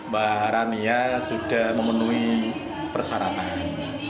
mbak rania sudah memenuhi persyaratan